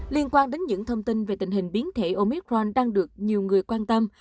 liên quan đến những thông tin về tình hình biến thể omicron đang được nhiều người quan tâm